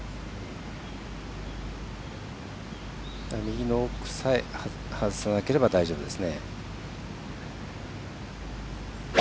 右の奥さえ外さなければ大丈夫です。